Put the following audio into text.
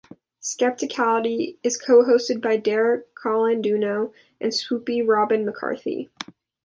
"Skepticality" is co-hosted by Derek Colanduno and "Swoopy" Robynn McCarthy.